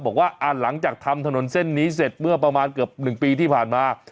บอกว่าหลังจากทำถนนเส้นนี้เสร็จเมื่อประมาณเกือบ๑ปีที่ผ่านมา